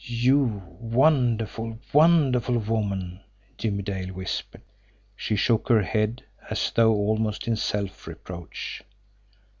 "You wonderful, wonderful woman!" Jimmie Dale whispered. She shook her head as though almost in self reproach.